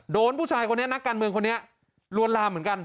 โดนผู้ชายคนนี้นักการเมืองคนนี้ลวนลามเหมือนกัน